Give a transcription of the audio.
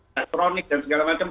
elektronik dan segala macam